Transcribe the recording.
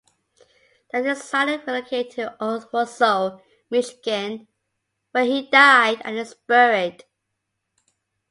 The designer relocated to Owosso, Michigan, where he died and is buried.